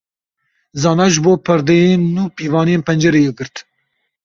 Zana ji bo perdeyên nû pîvanên pencereyê girt.